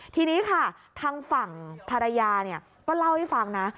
ทีนี้ค่ะทางฝั่งภรรยาก็เล่าให้ฟังนะ